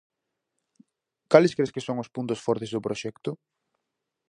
Cales cres que son os puntos fortes do proxecto?